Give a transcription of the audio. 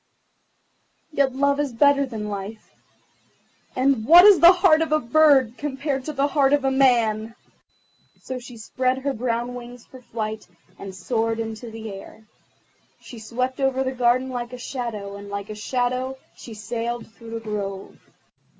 Yet Love is better than Life, and what is the heart of a bird compared to the heart of a man?" So she spread her brown wings for flight, and soared into the air. She swept over the garden like a shadow, and like a shadow she sailed through the grove.